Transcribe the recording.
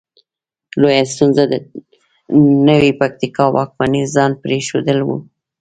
لویه ستونزه د ټوپکیانو واکمني ځان پرې ښودل وه.